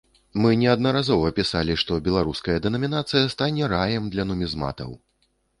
Мы неаднаразова пісалі, што беларуская дэнамінацыя стане раем для нумізматаў.